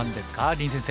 林先生。